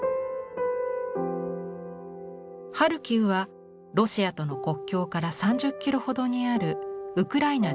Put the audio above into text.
ハルキウはロシアとの国境から３０キロほどにあるウクライナ